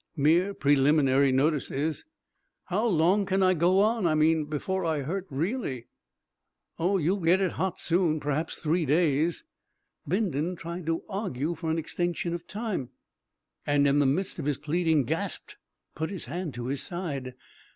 "Mere preliminary notices." "How long can I go on? I mean, before I hurt really." "You'll get it hot soon. Perhaps three days." Bindon tried to argue for an extension of time, and in the midst of his pleading gasped, put his hand to his side.